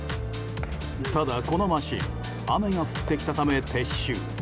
ただこのマシン雨が降ってきたため撤収。